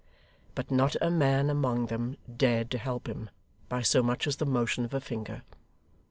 But not a man among them dared to help him by so much as the motion of a finger.